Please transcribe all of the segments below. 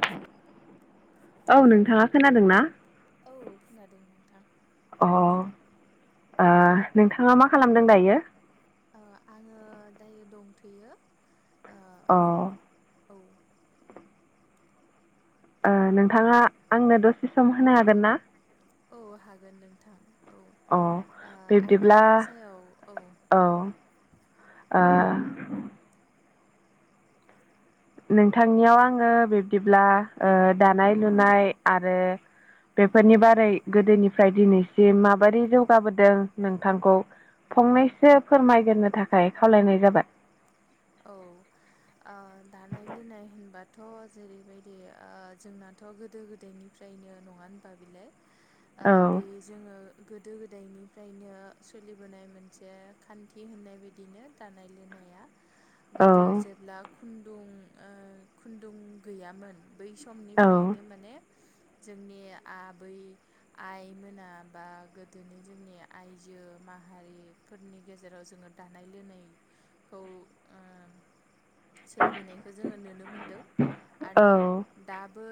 हेल'। औ नोंथाङा खोनादों ना? औ खोनादों नोंथां। अ ओ नोंथाङा मा खालामदों दायो आङो दायो दंथैयो ओ अ औ नोंथाङा आंनो दसे सम होनो हागोन ना औ हागोन नोंथां। औ अ ओ बिब्दिब्ला आयदानि सायाव औ। ओ नोंथांनियाव आङो बिब्दिब्ला ओ दानाय लुनाय आरो। बेफोरनि बारै गोदोनिफ्राय दिनैसिम माबादि जौगाबोदों नोंथांखौ फंनैसो फोरमायगोरनो थाखाय खावलायनाय जाबाय। औ। ओ दानाय लुनाय होनबाथ' जेरैबायदि ओ जोंनाथ' गोदो गोदायनिफ्राय नङा होनबा बिलाय ओ औ बे जोङो गोदो गोदायनिफ्रायनो सोलिबोनाय मोनसे खान्थि होननाय बायदिनो दानाय लुनाया औ गोदो जेब्ला खुन्दुं ओ खुन्दुं गैयामोन बै समाव। औ समनिफ्रायनो माने [inaudible] जोंनि आबै आइ मोना बा गोदोनि जोंनि आइजो मा माहारिफोरनि गेजेराव जोङो दानाय लुनायखौ ओ सोलिबोनायखौ जोङो नुनो मोनदों आरो औ दाबो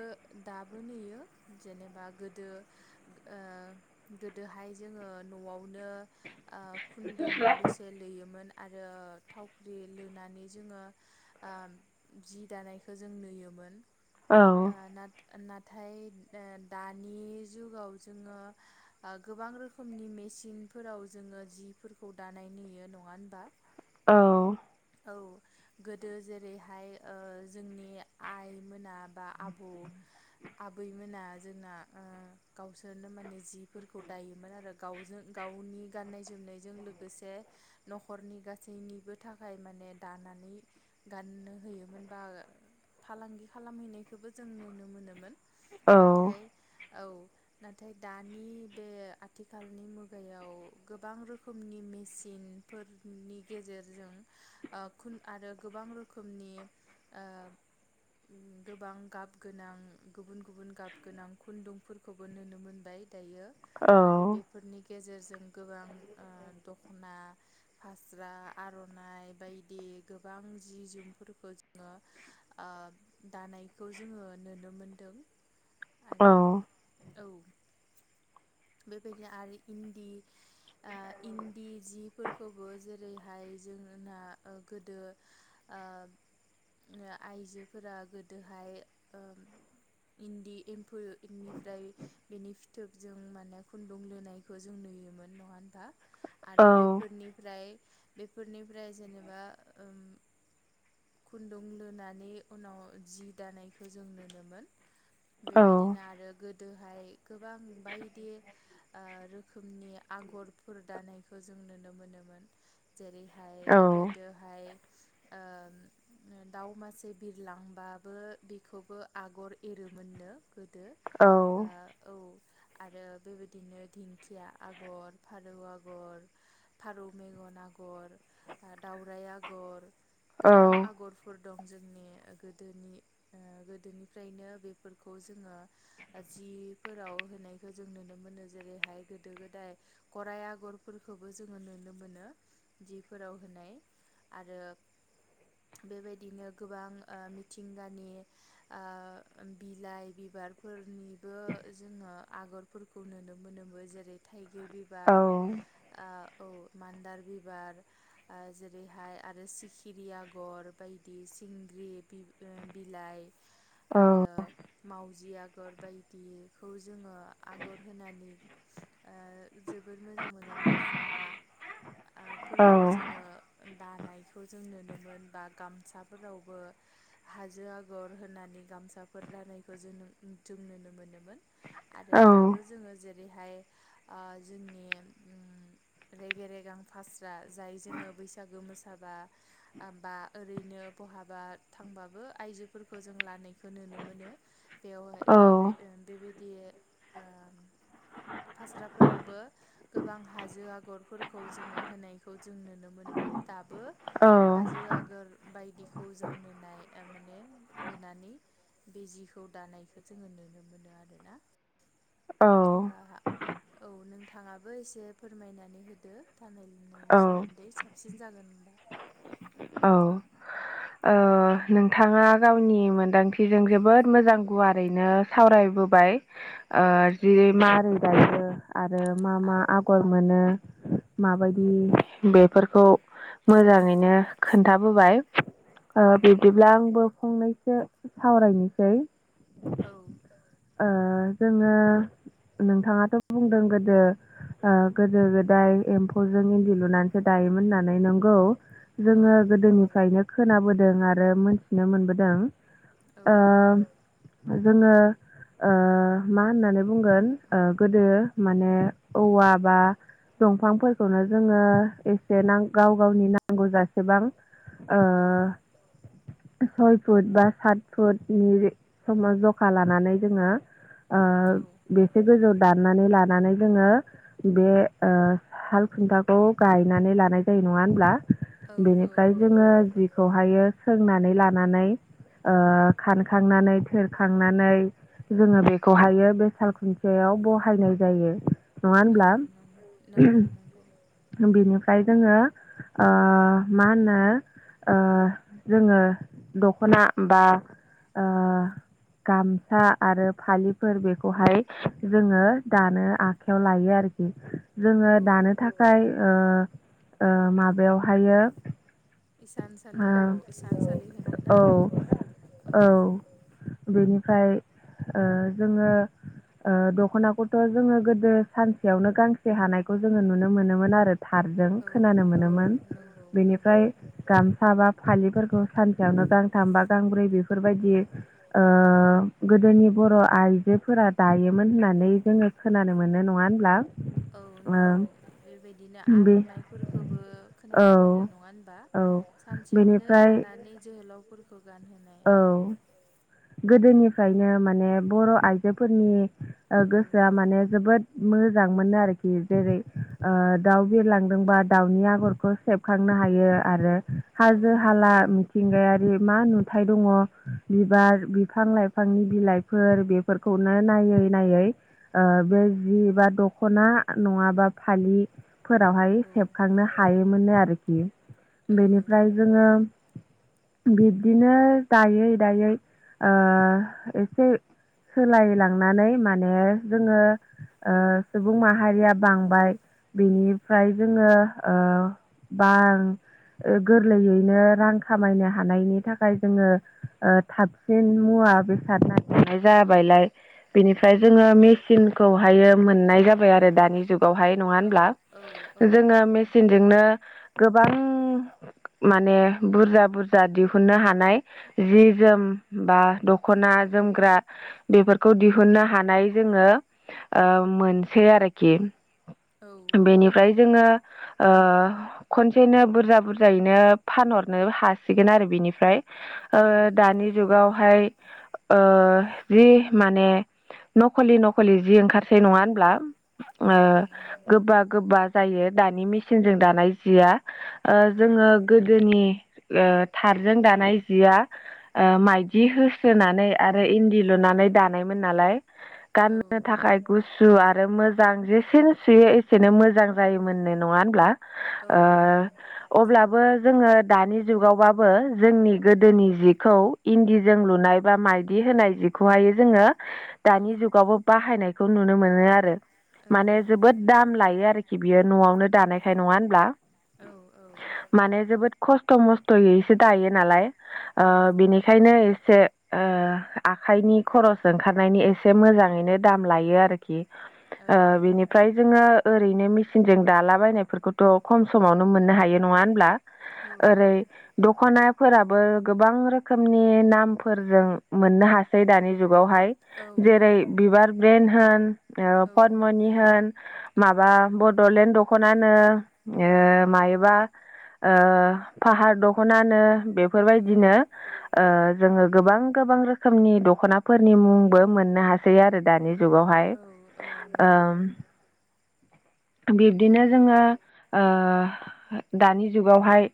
दाबो नुयो जेनेबा गोदो ओ गोदोहाय जोङो न'वावनो ओ खुन्दुं लुसे लुयोमोन आरो थाव लुनानै जोङो जि ओ दानायखौ जों नुयोमोन। औ ओ नाथाय ओ दानि जुगाव जोङो गोबां रोखोमनि मेचिनफोराव जोङो जिफोरखौ दानाय नुयो नङा होनबा औ औ गोदो जेरैहाय ओ जोंनि आइमोना बा आब' आबैमोना जोंना ओ गावसोरनो माने जिफोरखौ दायोमोन आरो गावजों गाव नि गाननाय जोमनायजों लोगोसे नख'रनि गासैनिबो थाखाय माने दानानै गाननो होयोमोन बा फालांगि खालामहैनायखोबो जों नुनो मोनोमोन औ नाथाय औ नाथाय दानि बे आथिखालनि मुगायाव गोबां रोखोमनि मेचिनफोरनि गेजेरजों ओ खुन आरो गोबां रोखोमनि ओ गोबां गाब गोनां गुबुन गुबुन गाब गोनां खुन्दुंफोरखौबो नुनो मोनबाय। बेयो औ आरो बेफोरनि गेजेर जों गोबां ओह दख'ना फास्रा आर नाय बायदि गोबां जि जोमफोरखौ जोङो ओ दानायखौ जोङो नुनो मोनदों। औ। आरो औ बेबायदिनो आरो इन्दि ओह इन्दि जिफोरखौबो जेरैहाय जोंना गोदो ओह आइजोफोरा गोदोहाय ओह इन्दि एम्फौनिफ्राय बेनि फिथोबजों माने खुन्दुं लोनायखौ जों नुन बिनोमोन नङा होन दा आरो बेफोरनिफ्राय बेफोरनिफ्राय जेनेबा ओम खुन्दुं लुानै उनाव जि दानायखौ जों नुनो मोन। बेबायदिनो आरो गोदो गोबां बायदि ओह रोखोमनि आगरफोर दानायख बिखौ जों नुनो मोनोमोन जेरैहाय औ गोदोहाय ओह दाउ मासे बिरलांबाबो बेखौबो आगर एरो मोननो गोदो ओ औ। आरो बेबायदिनो दिंखिया आगर फारौ आगर फारौ मेगन आग आगर दावराइ आगर औ गोबां आगरफोर द दं जोंनि गोदोनि ओ गोदोनिफ्रायनो बेफोरखौ जोङो जि फोराव होनायखौ जों नुनो मोनो जेरैहाय गोदो गोदाय गराय आगरफोरखौबो जों जोङो नुनो मोनो जिफोराव होनाय आरो बेबायदिनो गोबां ओह मिथिंगानि ओह बिलाइ बिबार बिबारफोरनिबो जोङो आगरफोरखो नुनो मोनोमोन जेरै थाइग बिबार आह औ मान्दार बिब बिबार ओ जेरैहाय आरो सिखिरि आगर बायदि सिंग्रि बि बिलाइ आरो मावजिया आगर बायदिखौ जोङो आगर होनानै ओ जोबोद मोजां मोजां दख'ना आह फोरखौ जोङो। दानायखौ जों नुनो मोन बा गामसाफोरावबो हाजो आगर होनानै गामसाफोर दानायखौ जों जों नुनो मोनोमोन आरो दाबो जोङो जे जैरैहाय आह जोंनि रेगे रेगां। फास्रा जाय जोङो बैसागो मोसाबा बा होमबाथ ओरैनो बहाबा थां होनबाबो आइजोफोरखौ जों लानायखौ नुनो मोनो बेयावहाय बे बेबा बे ओ। फास्राफोरावबो गोबां हाजो आगरफोरखौ जोङो होनायखौ जों नुनो मोनोमोन दाबो हाजो आगोर बायदि खौ जों नुनाय माने होनानै बे जिखौ दानायखौ जोङो नुनो मोनो। [inaudible] औ होनबा औ नोंथाङाबो एसे फोरमायनानै होदो। दानाय लुनायनि सोमोन्दै साबसिन जागोन होन औ औ ओह नोंथाङा गावनि मोनदांथिजों जोबोद मोजां गुवारैनो सावराय नुबोबाय ओह औ जेरै मारै गायो आरो मा मा आगर मोनो? औ माबायदि बेफोरखौ मोजाङैनो खोन्थाबोबाय। ओ औ बिदिब्ला आंबो फंनैसो सावरायनोसै। औ। ओ जोङो नोंथाङाथ' बुंदों गोदो ओ गोदो गोदाय एम्फौजों इन्दि लुनानैसो दायोमोन होननानै नंगौ औ जोङो गोदोनिफ्रायनो खोनाबोदों आरो मोनथिनो मोनबोदों जोङो ओ मा होननानै बुंगोन गोदो माने औवा बा दंफांफोरखौनो जोङो एसे गाव गावनि नांगौ जासि बेसेबां ओ औ सय फुट बा सात फुटनि समाव जखा लानानै जोङो ओ बेसे गोजौ दाननानै लानानै जोङो बे हाल खुन्थाखौ गायनानै लानाय जायो नङा होनब्ला औ औ बेनिफ्राय जोङो नंगौ जिखौहायो सोंनानै लानानै ओ खानखांनानै थोरखांनानै जोङो बेखौहायो बे साल खुन्थियायाव बहायनाय जायो नङा औ होनब्ला नंगौ नंगौ नंगौ [unintelligible] बेनिफ्राय जोङो ओ मा होनो ओ जोङो दख'ना बा ओ गामसा आरो फालिफोर बेखौहाय जोङो दानो आखायाव लायो आरो जोङो औ दानो थाखाय ओ माबायावहायो इसानसालियाव इसानसालि होनोना ओ बेखौ औ औ बेनिफ्राय ओ जोङो ओ दख'नाखौथ' जोङो गोदो सानसेयावनो गांसे हानायखौ जोङो नुनो मोनोमोन आरो थारजों औ खोनानो औ मोनोमोन नंगौ नंगौ बेनिफ्राय गामसा बा फालि बेफोरखौ सानसेयावनो गांथाम बा गांब्रै औ बेफोरबायदि ओ गोदोनि बर' आइजोफोरा दायोमोन होननानै जोङो खोनानो मोनो नङा होनब्ला औ ओ नंगौ बेबायदिनो बे आर'नाइफोरखोबो औ खोनानो मोनो नङा होनबा औ सानसेयावनो बेनिफ्राय दानानै जोहोलावफोरखौ गानहो नाय औ गोदोनिफ्रायनो माने बर' आइजोफोरनि ओ औ गोसोआ माने जोबोद मोजां मोननो आरोखि जेरै ओ दाउ बिरलांदोंबा दाउनि आगरखौ सेबखां नो हायो आरो औ हाजो हाला मिथिंगायारि मा नुथाय दङ' बिबार बिफां लाइफांनि बिलाइफोर बेफोरखौनो नायै नायै ओ बे जिबा दख'ना नङाबा फालि फोरावहाय सेबखांनो हायोमोननो आरोखि बेनिफ्राय जोङो बिब्दिनो दायै दायै ओ एसे सोलाय लांनानै माने जोङो ओ सुबुं माहारिया बांबाय बेनिफ्राय जोङो ओ बां ओ गोरलैयैनो रां खामायनो हानायनि थाखाय जोङो ओ थाब सिन मुवा बेसाद नागिरनाय जाबायलाय औ बेनिफ्राय जोङो मेचिनखौहायो मोननाय जाबाय आरो दानि जुगावहाय नङा औ होनब्ला औ औ जोङो नंगौ मेसिनजोंनो गोबां माने बुरजा बुरजा दिहुननो हानाय जि जोम बा दख'ना जोमग्रा बेफोरखौ दिहुननो हानाय जोङो ओ मोनसै आरोखि औ औ बेनिफ्राय जोङो ओ खनसेनो बुरजा बुरजायैनो फानहरनो हासिगोन आरो बिनिफ्राय ओ औ नंगौ दानि फ्राय मानि जि माने नखलि नखलि जि ओंखारसै नङा होनब्ला ओ औ नंगौ गोबा गोबा जायो दानि मेसिनजों दानाय जिया ओ औ जोङो गोदोनि ओ थारजों दानाय जिया ओ माइदि होस्रोनानै आरो इन्दि लुनानै दानायमोन नालाय औ गाननो थाखाय गुस गु सु आरो मोजां जेसेनो सुयो एसेनो मोजां जायोमोननो नङा होनब्ला औ नंगौ बो जोङो दानि जुगावबाबो जोंनि गोदोनि जि खौ इन्दिजों लुनाय बा माइदि होनाय जिखौहायो जोङो दानि उम जुगावबो बाहायनायखौ नुनो मोनो आरो औ माने नंगौ जोबोद दाम लायो आरोखि बियो न'आवनो दानायखाय नङा होनब्ला औ औ माने जोबोद खस्थ' मस्थ'यैसो दायो नालाय ओ औ बेनिखायनो ए से ओ आखाइनि खरस ओंखारनायनि एसे मोजाङैनो दाम लायो आरोखि। ओ बिनिफ्राय जोङो ओरैनो मेसिनजों दालाबायनायफोरखौथ' खम समावनो मोननो हायो नङा होनब्ला। औ ओरै दख'नाफोराबो गोबां रोखोमनि नामफोरजों मोननो हासै दानि जुगा वहाय औ जेरै नंगौ बिबार ब्रेन होन ओ औ पदमनि होन औ माबा बड'लेन्ड दखनानो ओ औ मायोबा ओ फाहार दखना नो बेफोर बिदिनो ओ जोङो गोबां गोबां रोखोमनि दख'नाफोरनि मुंबो मोननो हासै आ आरो दानि जुगावहाय औ नंगौ ओम औ बिब्दिनो जोङो ओ दानि जुगावहाय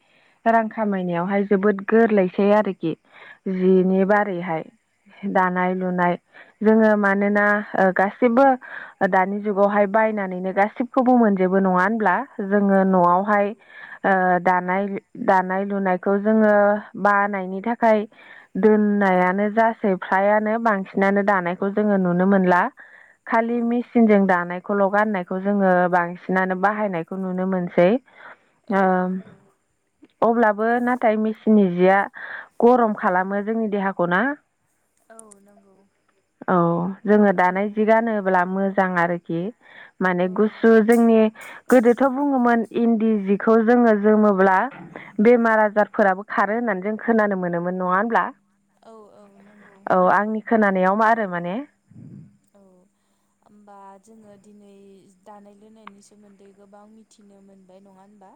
रां खामायनायावहाय जोबोद गोरलैसै आरोखि औ जिनि बारैहाय। दानाय लुनाय जोङो मानोना ओ गासिबो दानि जुगावहाय बायनानैनो गासिबखौबो मोनजोबो नङा होनब्ला जोङो औ न'आवहाय ओ दानाय दानाय लुनायखौ जोङो बानायनि थाखाय होन नायानो जासै फ्रायानो बांसिनानो दानायखौ जोङो नुनो मोनला। खालि औ मेसिनजों दानायखौल' गाननायखौ जोङो बांसिनानो बाहायनायखौ नुनो मोनसै। औ नंगौ ओ अब्लाबो नाथाय मेसिननि जिया गरम खालामो जोंनि देहाखौ ना। औ नंगौ औ जोङो औ दानाय जि गानोब्ला मो जां आरोखि औ माने गु सु जोंनि गोदोथ' बुङोमोन इन्दि जिखौ जोङो जोमोब्ला बेमार आजारफोराबो खारो होननानै जों खोनानो मोनोमोन नङा होमबा। औ औ नंगौ खोनानायाव मा आरो माने। औ होमबा जोङो दिनै दानाय लुनायनि सोमोन्दै गोबां मिथिनो मोनबाय नङा होनबा।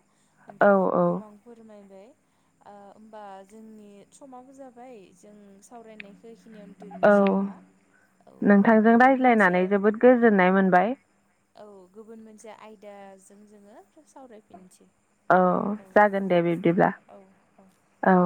औ नोंथाङा औ गोबां फोरमायबाय। ओ होमबा जोंनि समाबो जाबाय जों सावरायनायखो बेखिनियावनो दोननोसै नामा औ जों गुबुन मोनसे रायज्लायनानै जोबोद गोजोननाय मोनबाय। औ गुबुन मोनसे आयदाजों जोङो फिन सावरायफिननोसै। औ जागोन दे बिब्दिब्ला औ औ औ